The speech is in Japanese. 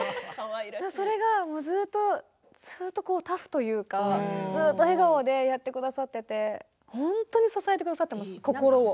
それがもうずっとタフというかずっと笑顔でやってくださっていて本当に支えてくださっています心を。